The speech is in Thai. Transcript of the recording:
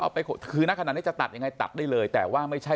ไปคือนักขนาดนี้จะตัดยังไงตัดได้เลยแต่ว่าไม่ใช่